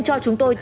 số như một nghìn